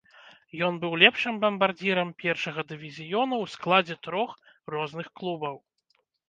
Ён быў лепшым бамбардзірам першага дывізіёна ў складзе трох розных клубаў.